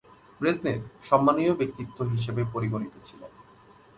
Brezhnev সম্মানীয় ব্যক্তিত্ব হিসেবে পরিগণিত ছিলেন।